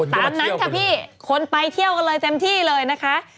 ตามนั้นค่ะพี่คนไปเที่ยวกันเลยเต็มที่เลยนะคะ